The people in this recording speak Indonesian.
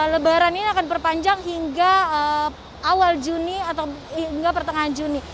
lebaran ini akan perpanjang hingga awal juni atau hingga pertengahan juni